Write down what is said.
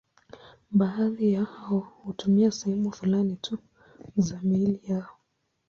Baadhi yao hutumia sehemu fulani tu za miili yao.